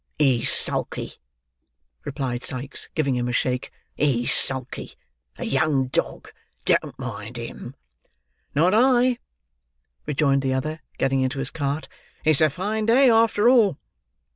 "He's sulky," replied Sikes, giving him a shake; "he's sulky. A young dog! Don't mind him." "Not I!" rejoined the other, getting into his cart. "It's a fine day, after all."